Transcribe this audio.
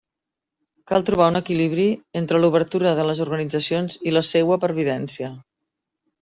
Cal trobar un equilibri entre l'obertura de les organitzacions i la seua pervivència.